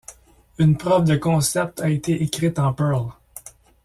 Une preuve de concept a été écrite en Perl.